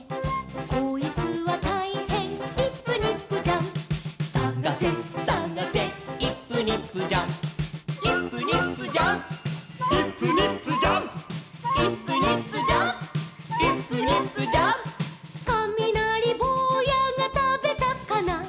「こいつはたいへんイップニップジャンプ」「さがせさがせイップニップジャンプ」「イップニップジャンプイップニップジャンプ」「イップニップジャンプイップニップジャンプ」「かみなりぼうやがたべたかな」